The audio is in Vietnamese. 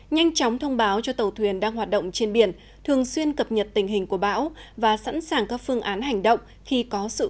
nhanh chóng thông báo cho tàu thuyền đang hoạt động trên biển thường xuyên cập nhật tình hình của bão và sẵn sàng các phương án hành động khi có sự cố xảy